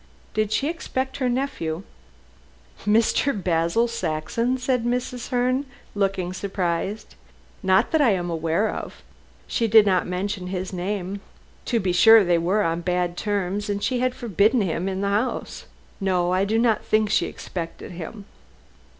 "Did she expect her nephew?" "Mr. Basil Saxon?" said Mrs. Herne, looking surprised. "Not that I am aware of. She did not mention his name. To be sure, they were on bad terms, and she had forbidden him the house. No, I do not think she expected him."